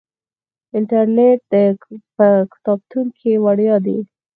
انټرنیټ په کتابتون کې وړیا دی.